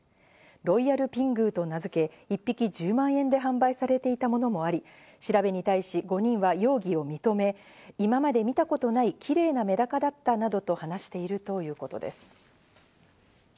ロイヤルピングーと名付け、一匹１０万円で販売されていたものもあり、調べに対し５人は容疑を認め、今まで見たことないキレイなメダカだったなどと話しているということです。